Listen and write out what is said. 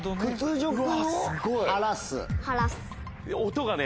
音がね